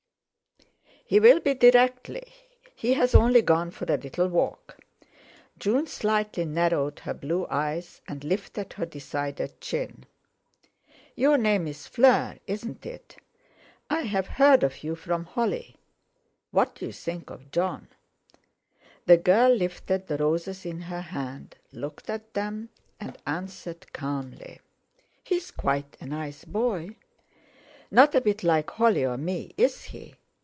"He will be directly. He's only gone for a little walk." June slightly narrowed her blue eyes, and lifted her decided chin. "Your name's Fleur, isn't it? I've heard of you from Holly. What do you think of Jon?" The girl lifted the roses in her hand, looked at them, and answered calmly: "He's quite a nice boy." "Not a bit like Holly or me, is he?"